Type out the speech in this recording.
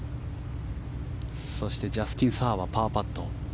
そしてジャスティン・サーはパーパット。